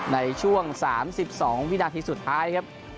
ในช่วง๓๒วินาทีสุดท้ายครับ